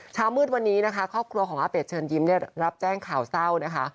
เช้ามืดวันนี้นะคะครอบครัวของอาเป็ดเชิญยิ้มรับแจ้งข่าวเศร้านะคะ